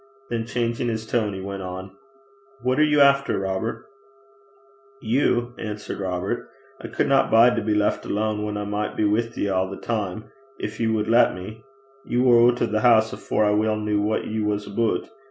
Then changing his tone, he went on: 'What are you after, Robert?' 'You,' answered Robert. 'I cudna bide to be left my lane whan I micht be wi' ye a' the time gin ye wad lat me. Ye war oot o' the hoose afore I weel kent what ye was aboot.